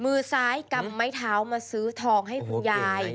มือซ้ายกำไม้เท้ามาซื้อทองให้คุณยาย